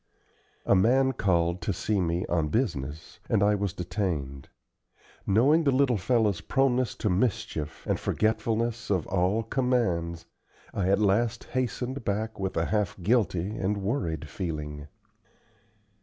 A man called to see me on business, and I was detained. Knowing the little fellow's proneness to mischief, and forgetfulness of all commands, I at last hastened back with a half guilty and worried feeling.